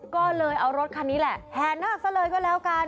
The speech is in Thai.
ก็เลยเอารถคันนี้แหละแห่นาคซะเลยก็แล้วกัน